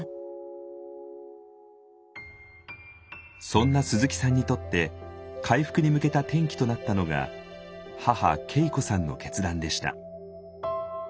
そんな鈴木さんにとって回復に向けた転機となったのが母ケイ子さんの決断でした。